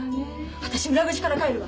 私裏口から帰るわ。